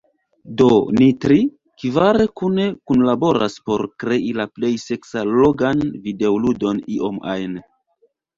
Do ni tri… kvar kune kunlaboras por krei la plej seksallogan videoludon iom ajn.